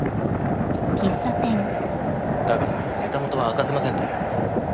だからネタ元は明かせませんって。